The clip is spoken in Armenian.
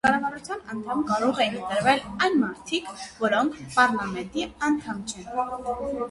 Կառավարության անդամ կարող էին ընտրվել այն մարդիկ, որոնք պառլամենտի անդամ չեն։